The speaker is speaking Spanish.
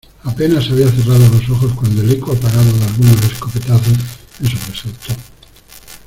apenas había cerrado los ojos cuando el eco apagado de algunos escopetazos me sobresaltó: